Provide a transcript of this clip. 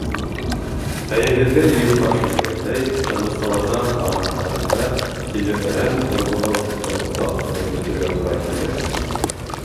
Хәйерһеҙгә ел ҡаршы тигәндәй, ҡырмыҫҡаларға ҡарындарында тилебәрән орлоғо һутын оҙаҡ ҡына йөрөтөргә тура килде.